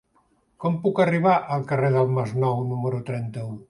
Com puc arribar al carrer del Masnou número trenta-u?